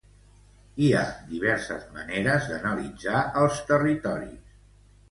Hi ha diverses maneres d'analitzar els territoris.